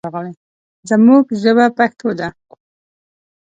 زموږ ژبه پښتو ده.